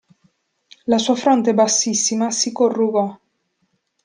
La sua fronte bassissima si corrugò.